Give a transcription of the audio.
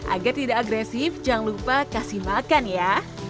agar tidak agresif jangan lupa kasih makan ya